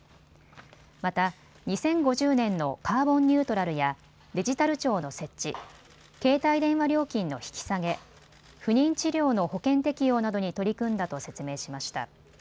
また、２０５０年のカーボンニュートラルやデジタル庁の設置、携帯電話料金の引き下げ、不妊治療の保険適用などに取り組んだと説明しました。